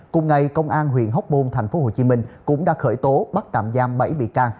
cùng ngày công an huyện hóc môn tp hcm cũng đã khởi tố bắt tạm giam bảy bị can